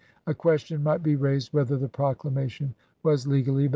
A question might be raised whether the proclamation was legally valid.